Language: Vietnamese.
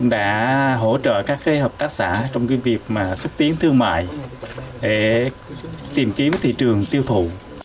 đã hỗ trợ các hợp tác xã trong việc xúc tiến thương mại để tìm kiếm thị trường tiêu thụ